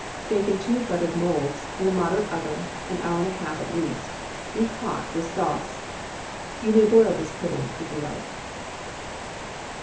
Bake in two buttered moulds, in a moderate oven, an hour and a half at least. Eat hot, with sauce. You may boil this pudding if you like.